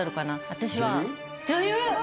私は。